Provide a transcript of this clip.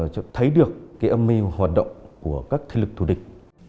để thấy được cái âm mưu hoạt động của các thi lực thù địch